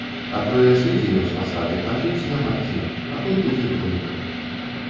А тое сыдзе ён з пасады, а жыць няма дзе, а тут будзе домік.